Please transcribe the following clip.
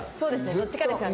どっちかですよね。